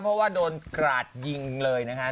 เพราะว่าโดนกราดยิงเลยนะคะ